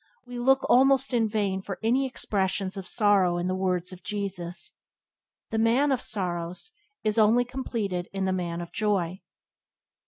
We look almost in vain for any expressions of sorrow in the words of Jesus. The "Man of Sorrows" is only completed in the Man of Joy.